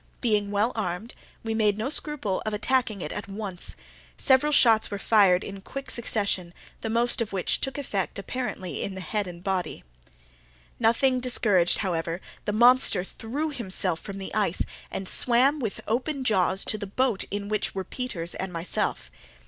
Being well armed, we made no scruple of attacking it at once. Several shots were fired in quick succession, the most of which took effect, apparently, in the head and body. Nothing discouraged, however, the monster threw himself from the ice, and swam with open jaws, to the boat in which were Peters and myself.